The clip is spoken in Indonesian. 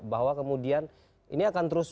bahwa kemudian ini akan terus